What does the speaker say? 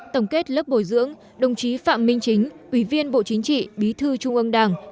tổng kết lớp bồi dưỡng đồng chí phạm minh chính ủy viên bộ chính trị bí thư trung ương đảng